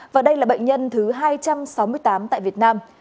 và đây là bệnh nhân thứ hai trăm sáu mươi tám tại việt nam